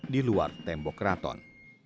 di luar tembok keraton